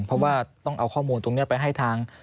เพราะว่าต้องเอาข้อมูลตรงนี้ไปให้ทาง